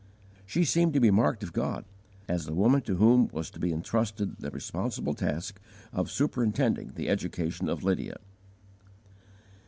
She seemed to be marked of God, as the woman to whom was to be intrusted the responsible task of superintending the education of Lydia.